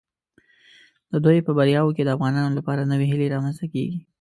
د دوی په بریاوو کې د افغانانو لپاره نوې هیله رامنځته کیږي.